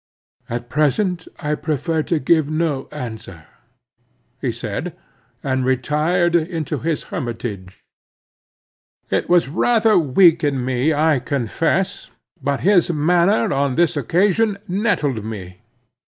"At present I prefer to give no answer," he said, and retired into his hermitage. It was rather weak in me I confess, but his manner on this occasion nettled me.